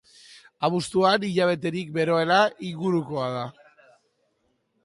Abuztuan, hilabeterik beroena, ingurukoa da.